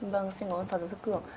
vâng xin mời ông phật giáo sư cường